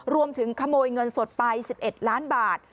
รวมถึงขโมยเงินสดไป๑๑ล้านบาท